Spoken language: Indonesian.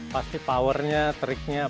pasti powernya tricknya